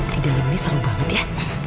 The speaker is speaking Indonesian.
di dalam ini seru banget ya